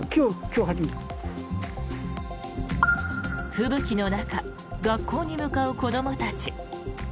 吹雪の中学校に向かう子どもたち。